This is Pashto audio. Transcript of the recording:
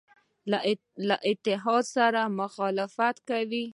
له اتحاد سره مخالفت کاوه.